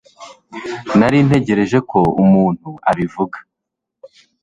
Nari ntegereje ko umuntu abivuga